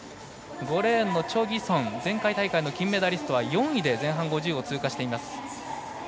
５レーンのチョ・ギソン前回大会の金メダリストは４位で前半５０を通過。